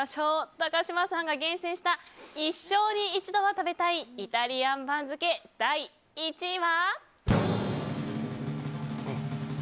高嶋さんが厳選した一生に一度は食べたいイタリアン番付第１位は。